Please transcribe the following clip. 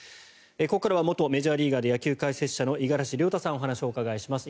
ここからは元メジャーリーガーで野球解説者の五十嵐亮太さんにお話をお伺いします。